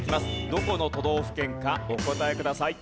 どこの都道府県かお答えください。